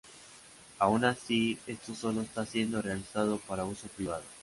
Aun así, esto sólo está siendo realizado para uso privado.